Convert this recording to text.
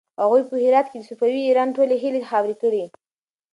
هغوی په هرات کې د صفوي ایران ټولې هيلې خاورې کړې.